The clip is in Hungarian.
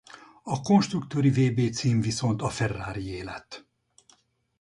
A konstruktőri vb-cím viszont a Ferrarié lett.